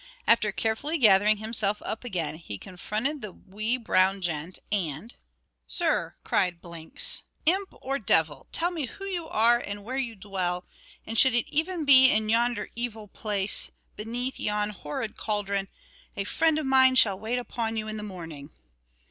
After carefully gathering himself up again, he confronted the wee brown gent, and "Sir," cried Blinks, "imp or devil, tell me who you are and where you dwell; and should it even be in yonder evil place, beneath yon horrid cauldron, a friend of mine shall wait upon you in the morning."